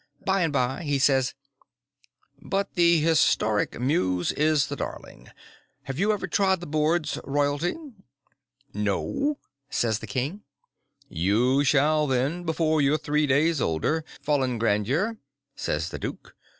By and by he says: "But the histrionic muse is the darling. Have you ever trod the boards, Royalty?" "No," says the king. "You shall, then, before you're three days older, Fallen Grandeur," says the duke.